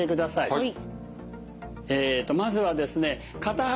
はい。